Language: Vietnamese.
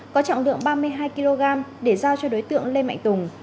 có trọng lượng ba mươi hai kg để giao cho đối tượng lê mạnh tùng